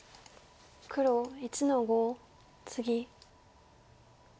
黒１の五ツギ。